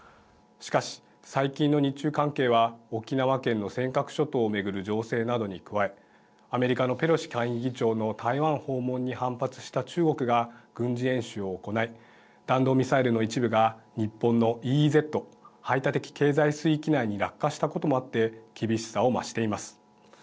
しかし、最近の日中関係は沖縄県の尖閣諸島を巡る情勢などに加えアメリカのペロシ下院議長の台湾訪問に反発した中国が軍事演習を行い弾道ミサイルの一部が日本のＥＥＺ＝排他的経済水域内に落下したこともあって厳しさを増しています。